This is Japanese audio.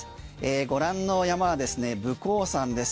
ご覧の山は、武甲山です。